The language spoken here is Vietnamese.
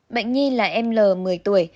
bệnh nhi là em lờ một mươi tuổi